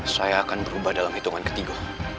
saya akan berubah dalam hitungan ketiga